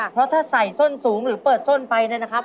เพราะถ้าใส่ส้นสูงหรือเปิดส้นไปเนี่ยนะครับ